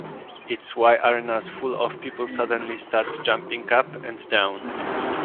It's why arenas full of people suddenly start jumping up and down.